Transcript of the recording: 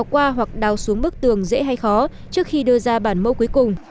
qua hoặc đào xuống bức tường dễ khó trước khi đưa ra bản mẫu cuối cùng